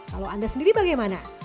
kalau anda sendiri bagaimana